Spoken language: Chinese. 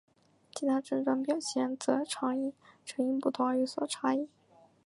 其他症状表现则常因成因不同而有所差异。